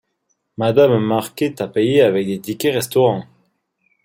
Madame Marquet a payé avec des tickets restaurant.